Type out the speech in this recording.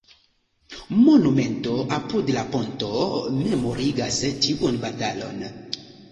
Monumento apud la ponto memorigas tiun batalon.